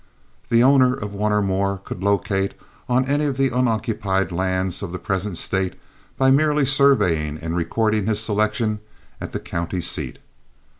The owner of one or more could locate on any of the unoccupied lands of the present State by merely surveying and recording his selection at the county seat.